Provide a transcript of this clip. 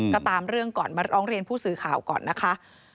ก็ตามเรื่องก่อนมาร้องเรียนผู้สื่อข่าวก่อนนะคะ